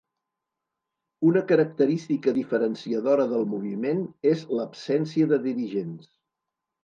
Una característica diferenciadora del moviment és l’absència de dirigents.